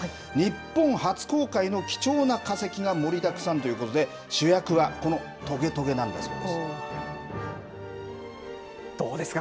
日本初公開の貴重な化石が盛りだくさんということで、主役は、こどうですか？